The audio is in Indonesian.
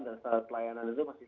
dan standar pelayanan itu masih